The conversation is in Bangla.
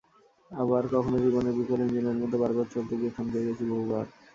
আবার কখনো জীবনের বিকল ইঞ্জিনের মতো বারবার চলতে গিয়ে থমকে গেছি বহুবার।